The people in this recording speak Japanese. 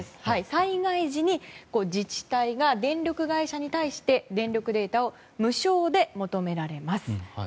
災害時に自治体が電力会社に対して電力データを無償で求められます。